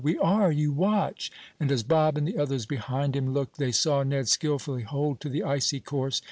"We are; you watch!" And as Bob and the others behind him looked, they saw Ned skillfully hold to the icy course.